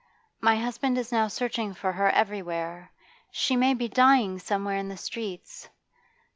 My husband is now searching for her everywhere; she may be dying somewhere in the streets.